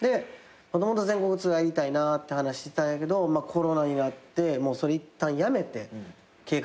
全国ツアーやりたいなって話してたんやけどコロナになってそれいったんやめて計画を。